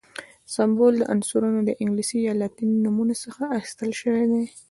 سمبول د عنصرونو د انګلیسي یا لاتیني نومونو څخه اخیستل شوی دی.